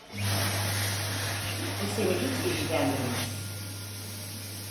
Bu seni hiç ilgilendirmez!